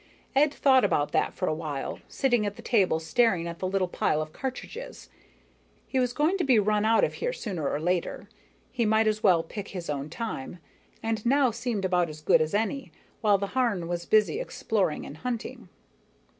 Ed thought about that for a while, sitting at the table staring at the little pile of cartridges. He was going to be run out of here sooner or later, he might as well pick his own time, and now seemed about as good as any, while the Harn was busy exploring and hunting.